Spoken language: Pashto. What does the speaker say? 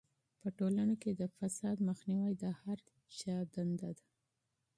په ټولنه کې د فساد مخنیوی د هر چا دنده ده.